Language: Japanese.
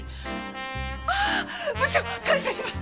ああ部長感謝します！